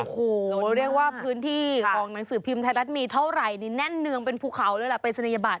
โอ้โหเรียกว่าพื้นที่ของหนังสือพิมพ์ไทยรัฐมีเท่าไหร่นี่แน่นเนืองเป็นภูเขาเลยล่ะปริศนียบัต